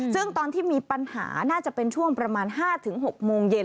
ซึ่งตอนที่มีปัญหาน่าจะเป็นช่วงประมาณ๕๖โมงเย็น